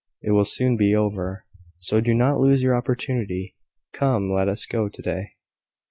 It will soon be over; so do not lose your opportunity. Come! let us go to day."